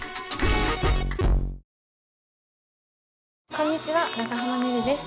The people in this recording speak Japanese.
こんにちは長濱ねるです。